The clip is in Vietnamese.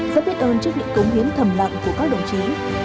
rất biết ơn trước những cống hiến thầm lặng của các đồng chí